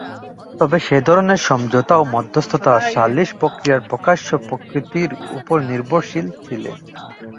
তবে সে ধরনের সমঝোতাও মধ্যস্থতা বা সালিশ প্রক্রিয়ার প্রকাশ্য প্রকৃতির ওপর নির্ভরশীল ছিল।